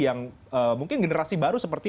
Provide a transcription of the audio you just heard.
yang mungkin generasi baru seperti